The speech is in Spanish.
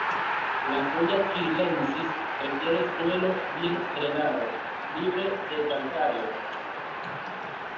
La "Puya chilensis" requiere suelo bien drenado, libre de calcáreo.